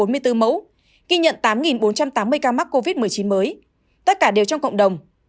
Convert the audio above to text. hai trăm bốn mươi bốn mẫu ghi nhận tám bốn trăm tám mươi ca mắc covid một mươi chín mới tất cả đều trong cộng đồng